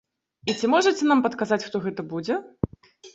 І ці можаце нам падказаць, хто гэта будзе?